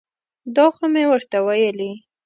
دا خو مې ورته ویلي.